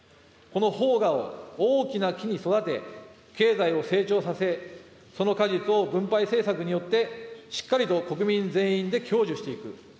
このほう芽を大きな木に育て、経済を成長させ、その果実を分配政策によって、しっかりと国民全員で享受していく。